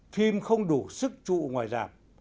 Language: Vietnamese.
phim không đủ sức trụ ngoài rạp